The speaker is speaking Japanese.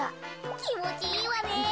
きもちいいわね。